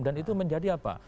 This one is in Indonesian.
dan itu menjadi apa